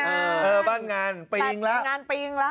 เออบ้านงานปีงแล้ว